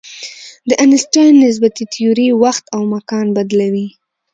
د آینشټاین نسبیتي تیوري وخت او مکان بدلوي.